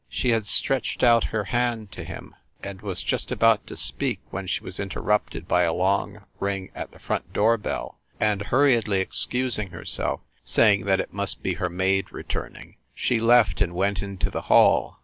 She had stretched out her hand to him, and was just about to speak when she was interrupted by a long ring at the front door bell, and hurriedly ex cusing herself, saying that it must be her maid re turning, she left and went into the hall.